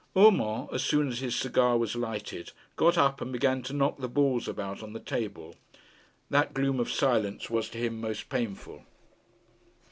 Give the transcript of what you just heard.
Urmand, as soon as his cigar was lighted, got up and began to knock the balls about on the table. That gloom of silence was to him most painful.